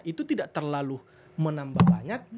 itu tidak terlalu menambah